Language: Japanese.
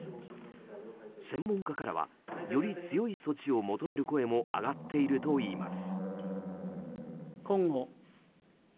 専門家からはより強い措置を求める声も上がっているといいます。